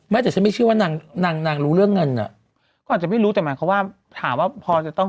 แต่ฉันไม่เชื่อว่านางนางรู้เรื่องเงินอ่ะก็อาจจะไม่รู้แต่หมายความว่าถามว่าพอจะต้อง